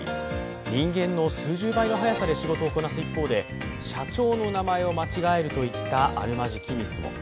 人間の数十倍の速さで仕事をこなす一方で、社長の名前を間違えるといったあるまじきミスも。